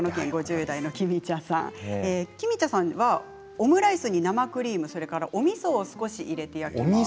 「オムライスに生クリームそれからおみそを少し入れて焼きます。